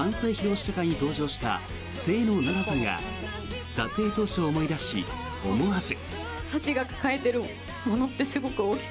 試写会に登場した清野菜名さんが撮影当初を思い出し、思わず。